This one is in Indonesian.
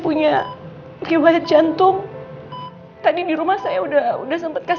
oke wait sebentar